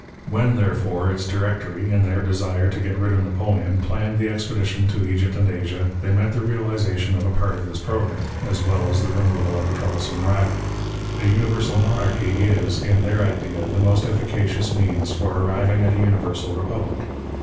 When, therefore, its Directory, in their desire to get rid of Napoleon, planned the expedition to Egypt and Asia, they meant the realization of a part of this programme, as well as the removal of a troublesome rival. A universal monarchy is, in their idea, the most efficacious means for arriving at a universal republic.